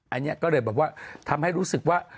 อันนี้ก็เลยแบบว่าทำให้รู้สึกว่า